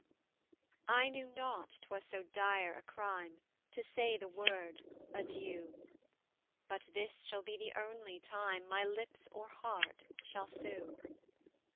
I knew not 'twas so dire a crime To say the word, "Adieu;" But this shall be the only time My lips or heart shall sue.